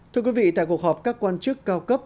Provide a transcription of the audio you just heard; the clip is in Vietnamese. thưa quý vị tại cuộc họp các quan chức cao cấp